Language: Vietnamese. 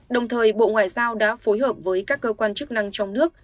đồng thời bộ ngoại giao đã phối hợp với các cơ quan chức năng trong nước